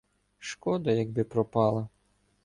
Шкода, якби пропала.